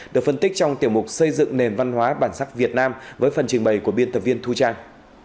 được phân tích trong tiểu mục xây dựng nền văn hóa bản sắc việt nam với phần trình bày của biên tập viên thu trang